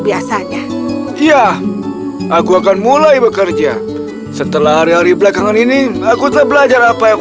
biasanya ya aku akan mulai bekerja setelah hari hari belakangan ini aku tak belajar apa yang